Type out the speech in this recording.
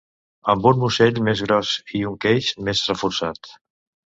Amb un musell més gros i un queix més reforçat.